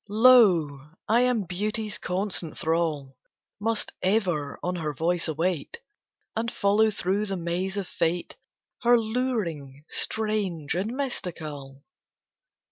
V Lo! I am Beauty's constant thrall, Must ever on her voice await, And follow through the maze of Fate Her luring, strange and mystical.